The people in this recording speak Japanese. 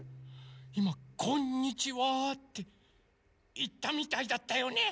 いま「こんにちは」っていったみたいだったよね。